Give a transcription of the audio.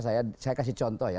saya kasih contoh ya